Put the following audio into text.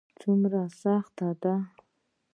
څومره سخته ده ؟